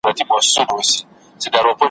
واورۍ له ارغند تر اباسین پوري پرتو خلکو ,